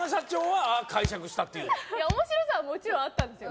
いや面白さはもちろんあったんですよ